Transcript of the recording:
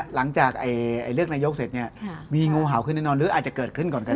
หลังจากเลือกนายกเสร็จเนี่ยมีงูเห่าขึ้นแน่นอนหรืออาจจะเกิดขึ้นก่อนก็ได้